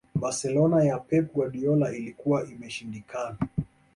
barcelona ya pep guardiola ilikuwa imeshindikana